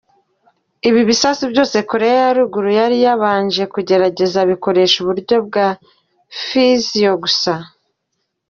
Ibi bisasu byose Koreya ya ruguru yari yabanje kugerageza bikoresha uburyo bwa Fission gusa.